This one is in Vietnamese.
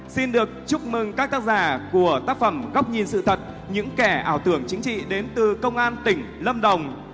xin được chúc mừng các tác giả của tác phẩm góc nhìn sự thật những kẻ ảo tưởng chính trị đến từ công an tỉnh lâm đồng